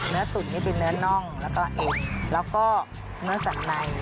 ตุ๋นนี่คือเนื้อน่องแล้วก็เอ็นแล้วก็เนื้อสันใน